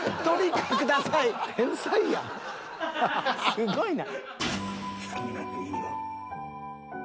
すごいな。